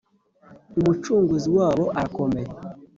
Umucunguzi wabo arakomeye